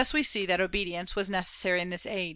season see that obedience was necessary in this age.